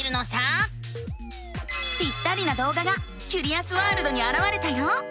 ぴったりなどうががキュリアスワールドにあらわれたよ。